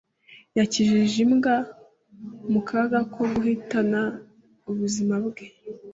Yakijije imbwa mu kaga ko guhitana ubuzima bwe.